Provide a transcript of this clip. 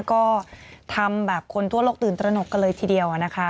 ก็ทำแบบคนทั่วโลกตื่นตระหนกกันเลยทีเดียวนะคะ